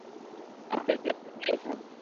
আপনি দয়া করে এখানেই থাকুন।